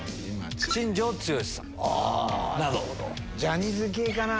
ジャニーズ系かな？